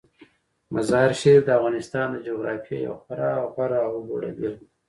مزارشریف د افغانستان د جغرافیې یوه خورا غوره او لوړه بېلګه ده.